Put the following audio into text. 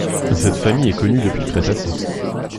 Cette famille est connue depuis le Crétacé.